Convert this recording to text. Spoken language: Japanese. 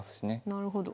なるほど。